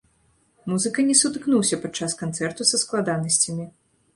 Музыка не сутыкнуўся падчас канцэрту са складанасцямі.